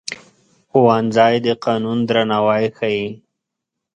ښوونځی د قانون درناوی ښيي